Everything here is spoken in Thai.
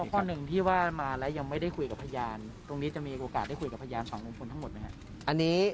ข้อหนึ่งที่ว่ามาแล้วยังไม่ได้คุยกับพยาน